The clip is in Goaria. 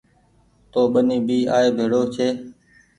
تو ٻني بي آئي ڀيڙو ڇي